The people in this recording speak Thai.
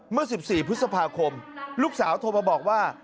เมื่อ๑๔พฤษภาคมลูกสาวโทรมาบอกว่า